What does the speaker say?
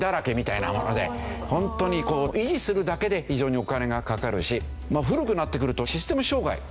本当にこう維持するだけで非常にお金がかかるし古くなってくるとシステム障害。